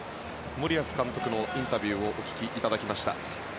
森保監督のインタビューをお聞きいただきました。